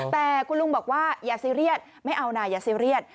แต่คุณลุงบอกว่าอย่าซีเรียสไม่เอานะอย่าซีเรียส